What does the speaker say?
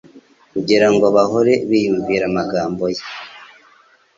kugira ngo bahore biyumvira amagambo ye.